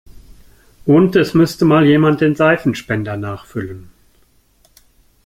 Und es müsste mal jemand den Seifenspender nachfüllen.